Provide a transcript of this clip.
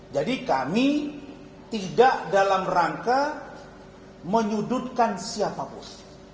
jadi kami tidak dalam rangka menyudutkan siapapun